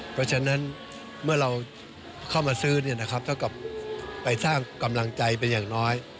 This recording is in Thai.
เพราะฉะนั้นเมื่อเราเข้ามาซื้อเท่ากับไปสร้างกำลังใจเป็นอย่างน้อย